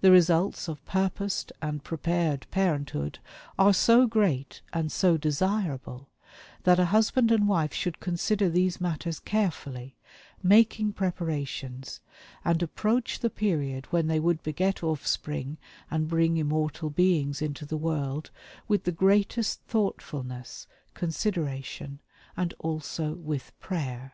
The results of purposed and prepared parenthood are so great and so desirable that a husband and wife should consider these matters carefully, making preparations, and approach the period when they would beget offspring and bring immortal beings into the world with the greatest thoughtfulness, consideration, and also with prayer."